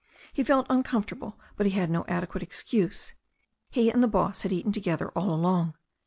He felt uncomfortable, but he had no adequate excuse. He and the boss had eaten together all along.